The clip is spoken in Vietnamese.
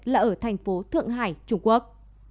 là ở thành phố thượng hải trung quốc